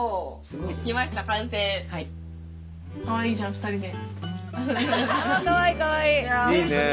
かわいいじゃん２人で。